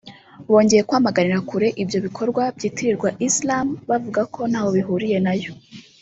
bongeye kwamaganira kure ibyo bikorwa byitirirwa Islam bavuga ko ntaho bihuriye nayo